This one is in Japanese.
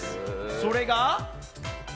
それが。